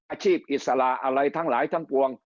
อิสระอะไรทั้งหลายทั้งปวง